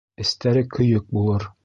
Эстэре көйөк булыр.